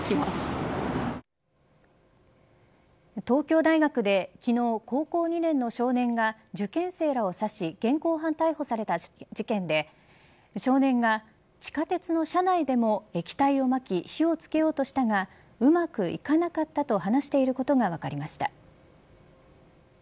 東京大学で昨日高校２年の少年が受験生らを刺し現行犯逮捕された事件で少年が地下鉄の車内でも液体をまき火を付けようとしたがうまくいかなかったと話していることが分かりました。